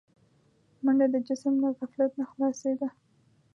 منډه د جسم له غفلت نه خلاصي ده